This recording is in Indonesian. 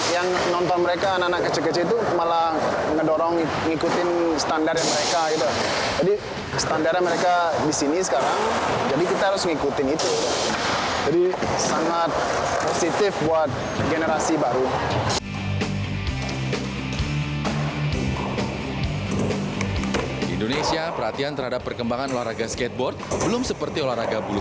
yang nonton mereka anak anak kecil kecil itu malah ngedorong ngikutin standarnya mereka gitu